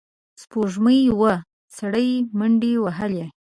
سپوږمۍ وه، سړی منډې وهلې.